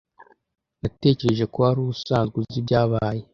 Natekereje ko wari usanzwe uzi ibyabaye.